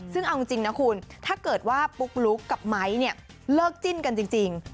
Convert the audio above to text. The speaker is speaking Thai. ซึ่งเอาจริงนะคุณถ้าเกิดว่าปุ๊กลุ๊กกับไม้เนี่ยเลิกจิ้นกันจริง